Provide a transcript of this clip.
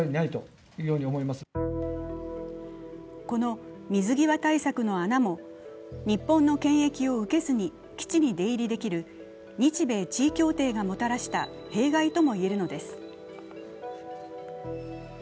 この水際対策の穴も日本の検疫を受けずに基地に出入りできる日米地位協定がもたらした弊害とも言えるのです。